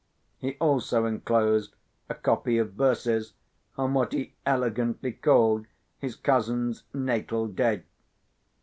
He also enclosed a copy of verses on what he elegantly called his cousin's "natal day."